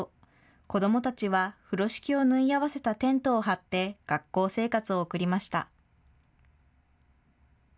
子どもたちは風呂敷を縫い合わせたテントを張って学校生活を送りました。